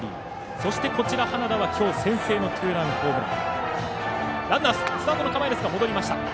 そして花田はきょう先制のツーランホームラン。